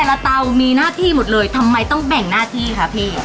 ละเตามีหน้าที่หมดเลยทำไมต้องแบ่งหน้าที่คะพี่